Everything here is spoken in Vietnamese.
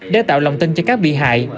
để tạo lòng tin cho các bị hại